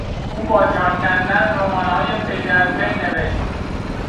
او با جان کندن رمانهای پی در پی نوشت.